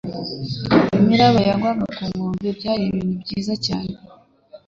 Imiraba yagwaga ku nkombe; byari ibintu byiza cyane.